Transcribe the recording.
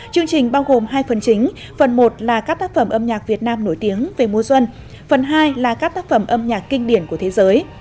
chương trình bao gồm hai phần chính phần một là các tác phẩm âm nhạc việt nam nổi tiếng về mùa xuân phần hai là các tác phẩm âm nhạc kinh điển của thế giới